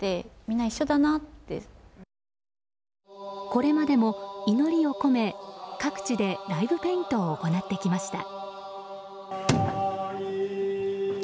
これまでも祈りを込め各地でライブペイントを行ってきました。